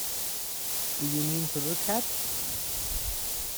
Do you mean to look at?